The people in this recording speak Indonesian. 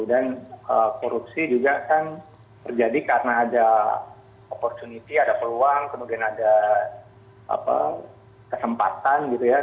dan korupsi juga kan terjadi karena ada opportunity ada peluang kemudian ada kesempatan gitu ya